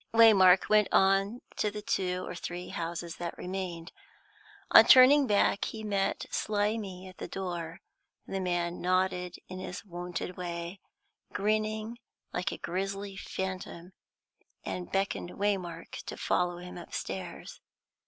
Waymark went on to the two or three houses that remained. On turning back, he met Slimy at the door; the man nodded in his wonted way, grinning like a grisly phantom, and beckoned Waymark to follow him upstairs.